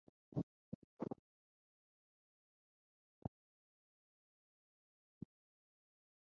The Cox process was named after him.